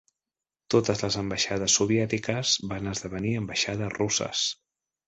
Totes les ambaixades soviètiques van esdevenir ambaixades russes.